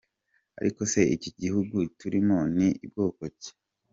Ariko se iki gihugu turimo ni bwoko ki ?”